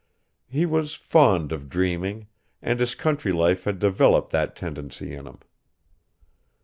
He was fond of dreaming, and his country life had developed that tendency in him.